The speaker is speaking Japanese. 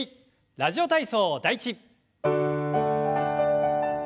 「ラジオ体操第１」。